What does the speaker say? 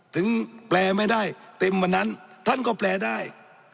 ถึงแปลไม่ได้เต็มเหมือนนั้นท่านก็แปลได้